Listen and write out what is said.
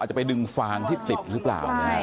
อาจจะไปดึงฟางที่ติดหรือเปล่า